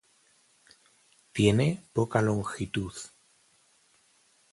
Tiene poca longitud.